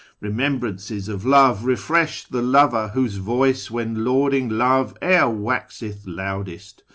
Remembrances of love refresh the lover, "Whose voice when laudiiiLj love e'er waxeth loudest.